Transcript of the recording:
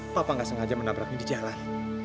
papa nggak sengaja menabraknya di jalan